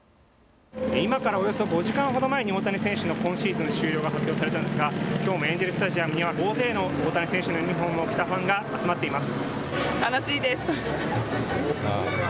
今からおよそ５時間ほど前に大谷選手の今シーズン終了が発表されたのですがきょうもエンジェルスタジアムには大勢の大谷選手のユニフォームを着たファンが集まっています。